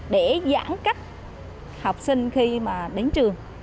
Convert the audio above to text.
để giãn cách học sinh khi mà đến trường